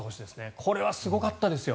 これはすごかったですよ。